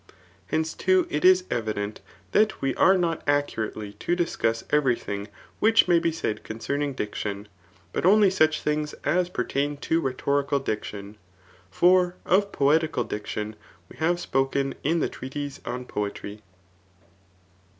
Hence, too, it is evident that we are not accurately to discuss every thing which may be said concerning diction, but only such things as pertain to rhetorical diction. For of poetical diction we have spoken in the treatise On Poetry.